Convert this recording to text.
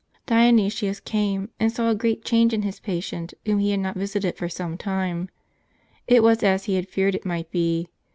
Dionysius came, and saw a great change in his patient, whom he had not visited for some time. It was as he had feared it might be.